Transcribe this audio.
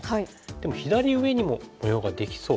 でも左上にも模様ができそう。